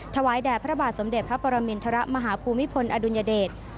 ถวายแด่พระบาทสมเด็จพระปรมินทรมาฮภูมิพลอดุลยเดช